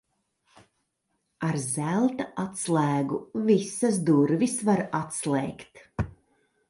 Ar zelta atslēgu visas durvis var atslēgt.